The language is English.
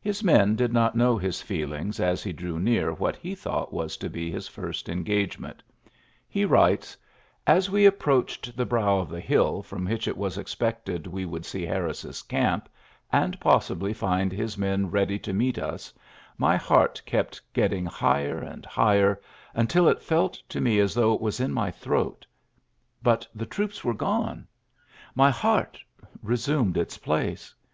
His men did not know his feelings as he drew near what he thought was to be his first engagement. He writes :^^ As iiuiaiy v;ou 40 ULYSSES S. GEAUT we approaclied the brow of the hill from which it was expected we would see Harris's camp, and possibly find his men ready to meet ns, my heart kept getting higher and higher, until it felt to me as though it was in my throatj ... but the troops were gone. My heart resumed its place.